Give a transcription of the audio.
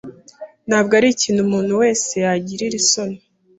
Ntabwo ari ikintu umuntu wese yagira isoni.